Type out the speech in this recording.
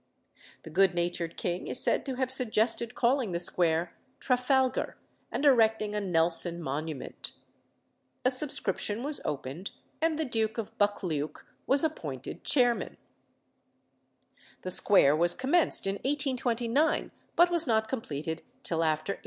The good natured king is said to have suggested calling the square "Trafalgar," and erecting a Nelson monument. A subscription was opened, and the Duke of Buccleuch was appointed chairman. The square was commenced in 1829, but was not completed till after 1849.